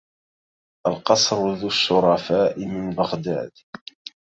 القصر ذو الشرفاء من بغداد